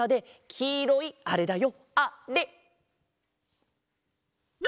きいろいあれだよ。